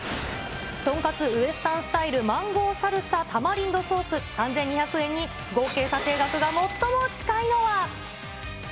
とんかつウェスタンスタイルマンゴーサルサ・タマリンドソース３２００円に、合計査定額が最も近いのは。